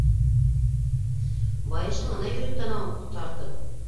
Байышың ана йөрөй танауын тартып.